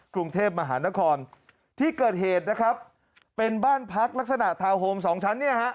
กรุงเทพมหานครที่เกิดเหตุนะครับเป็นบ้านพักลักษณะทาวน์โฮมสองชั้นเนี่ยฮะ